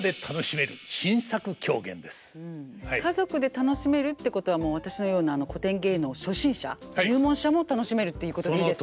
家族で楽しめるってことは私のような古典芸能初心者入門者も楽しめるっていうことでいいですか？